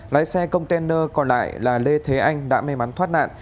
lái xe container còn lại là lê thế anh đã may mắn thoát nạn